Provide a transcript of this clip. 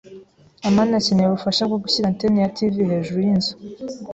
amani akeneye ubufasha bwo gushyira antenne ya TV hejuru yinzu.